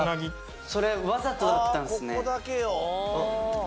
それわざとだったんすね！